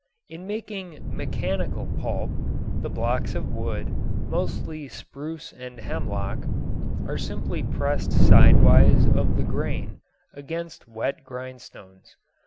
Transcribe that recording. In making "mechanical pulp" the blocks of wood, mostly spruce and hemlock, are simply pressed sidewise of the grain against wet grindstones.